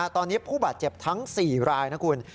ตอนนี้ผู้บาดเจ็บทั้ง๔รายนะคุณ